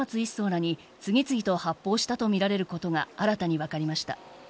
らに次々と発砲したとみられることが新たに分かりました。